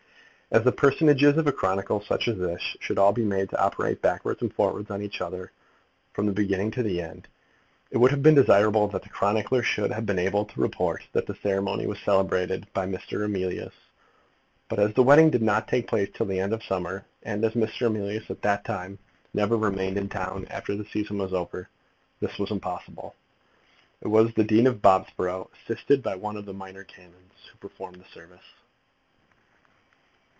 As the personages of a chronicle such as this should all be made to operate backwards and forwards on each other from the beginning to the end, it would have been desirable that the chronicler should have been able to report that the ceremony was celebrated by Mr. Emilius. But as the wedding did not take place till the end of the summer, and as Mr. Emilius at that time never remained in town, after the season was over, this was impossible. It was the Dean of Bobsborough, assisted by one of the minor canons, who performed the service.